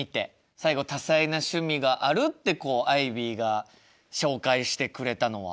最後「たさいなしゅみがある」ってこうアイビーが紹介してくれたのは？